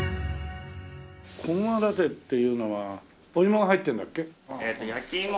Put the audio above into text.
こぐまらてっていうのはお芋が入ってるんだっけ？